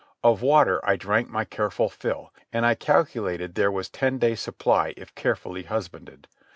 Of water I drank my careful fill, and I calculated there was ten days' supply if carefully husbanded.